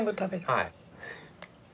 はい。